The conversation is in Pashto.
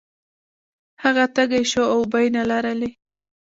هغه تږی شو او اوبه یې نلرلې.